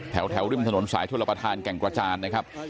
แถวริมถนนสายชนประธานแก่งกระจานนะครับ